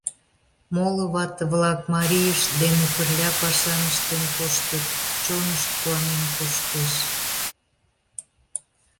Моло вате-влак марийышт дене пырля пашам ыштен коштыт, чонышт куанен коштеш...